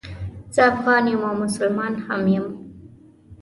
زه افغان یم او مسلمان هم یم